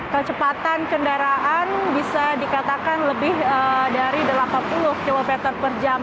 kecepatan kendaraan bisa dikatakan lebih dari delapan puluh km per jam